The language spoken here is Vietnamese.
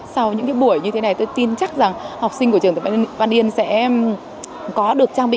sau những cái buổi như thế này tôi tin chắc rằng học sinh của trường tập văn yên sẽ có được trang bị